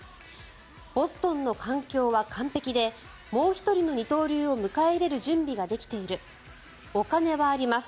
ボストンの環境は完璧でもう１人の二刀流を迎え入れる準備ができているお金はあります